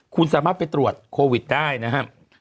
คุณสามารถไปตรวจโควิดได้นะครับ